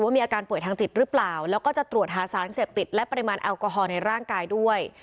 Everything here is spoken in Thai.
มีการแอลกอฮอล์ในร่างกายด้วย